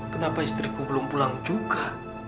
kenapa istriku belum pulang juga